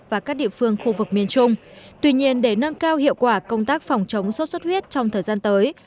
và các địa phương khu vực miền trung tuy nhiên để nâng cao hiệu quả công tác phòng chống sốt xuất huyết trong thời gian tới